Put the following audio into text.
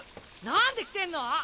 なんで来てんの？